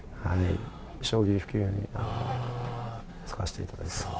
将棋普及に使わせていただいております。